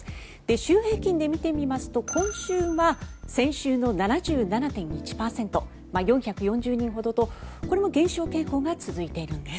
週平均で見てみますと今週は先週の７７．１％４４０人ほどとこれも減少傾向が続いているんです。